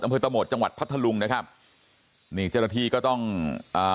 อำเภอตะโหมดจังหวัดพัทธลุงนะครับนี่เจ้าหน้าที่ก็ต้องอ่า